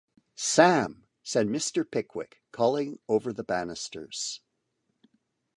‘Sam!’ said Mr. Pickwick, calling over the banisters.